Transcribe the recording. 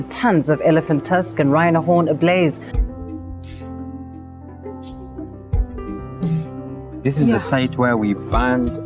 việc tạo dụng bản thân